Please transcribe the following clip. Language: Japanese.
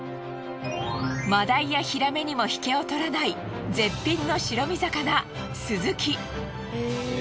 マダイやヒラメにも引けを取らない絶品の白身魚スズキ。